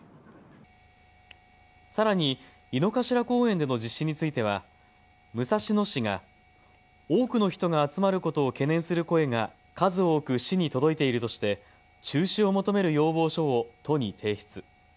さらに井の頭公園での実施については武蔵野市が多くの人が集まることを懸念する声が数多く市に届いているとして中止を求める要望書を都に提出。